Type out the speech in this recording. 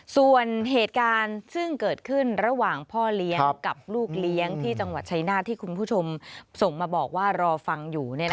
ส่วนเหตุการณ์ซึ่งเกิดขึ้นระหว่างพ่อเลี้ยงกับลูกเลี้ยงที่จังหวัดชายนาฏที่คุณผู้ชมส่งมาบอกว่ารอฟังอยู่